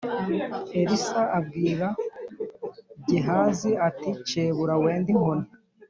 Elisa abwira gehazi ati cebura wende inkoni